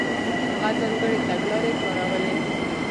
هغه ځانګړې تګلارې کارولې.